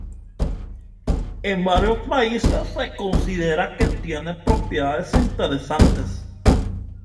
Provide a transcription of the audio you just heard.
En varios países, se considera que tiene propiedades interesantes.